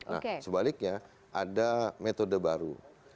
nah sebaliknya ada metode baru